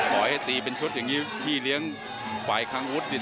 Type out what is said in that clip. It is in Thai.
ให้ตีเป็นชุดอย่างนี้พี่เลี้ยงฝ่ายคังวุฒิเนี่ย